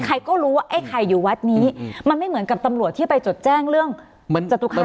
ใครก็รู้ว่าไอ้ไข่อยู่วัดนี้มันไม่เหมือนกับตำรวจที่ไปจดแจ้งเรื่องเหมือนจตุคา